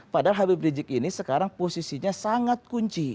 padahal habib rizik ini sekarang posisinya sangat kunci